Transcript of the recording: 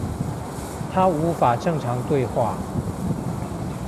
他無法正常對話